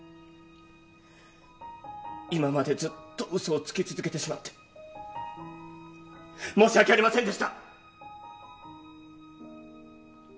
今までずっとうそをつき続けてしまって申し訳ありませんでした。